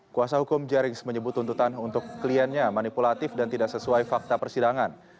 kuasa hukum jerings menyebut tuntutan untuk kliennya manipulatif dan tidak sesuai fakta persidangan